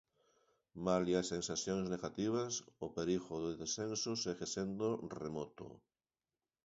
Malia as sensacións negativas, o perigo do descenso segue sendo remoto.